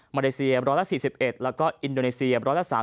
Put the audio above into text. มาเลเซีย๑๔๑แล้วก็อินโดนีเซีย๑๓